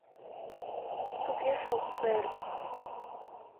— Туге шол, сэр.